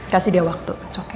kasih dia waktu it's okay